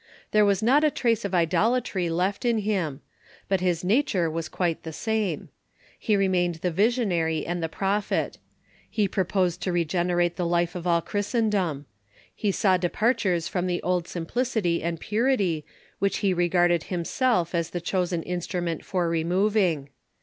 There was not a trace of idolatry left in him; but his nature was quite the same. He remained the visionary and the prophet. He proposed to regenerate the life of all Christendom. He saw departures from the old sim plicity and purity, which he regarded himself as the chosen in strument for removing.